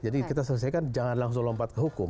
jadi kita selesaikan jangan langsung lompat ke hukum